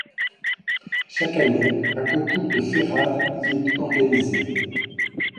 Chaque année, un concours de ferrade y est organisé.